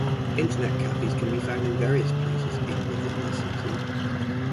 Internet cafes can be found in various places in within the city.